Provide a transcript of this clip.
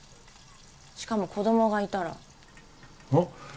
しかも子供がいたらあっ？